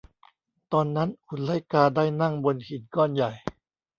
ตอนนั้นหุ่นไล่กาได้นั่งบนหินก้อนใหญ่